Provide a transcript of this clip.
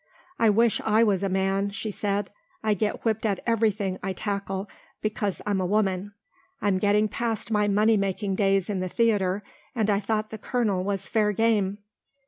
"I wish I was a man," she said. "I get whipped at everything I tackle because I'm a woman. I'm getting past my money making days in the theatre and I thought the colonel was fair game."